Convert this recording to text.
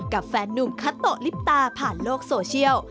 กับแฟนนุ่มคัตโตะลิปตาผ่านโลกโซเชียล